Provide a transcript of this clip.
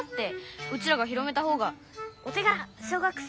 うちらが広めたほうが「おてがら小学生！」